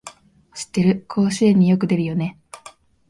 知ってる、甲子園によく出るよね